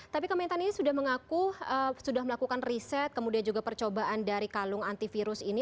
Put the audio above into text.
tapi kementan ini sudah mengaku sudah melakukan riset kemudian juga percobaan dari kalung antivirus ini